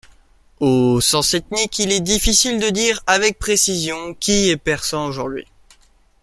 Au sens ethnique, il est difficile de dire avec précision qui est persan aujourd’hui.